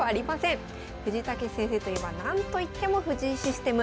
藤井猛先生といえばなんといっても藤井システム。